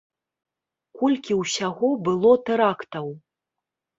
Колькі ўсяго было тэрактаў?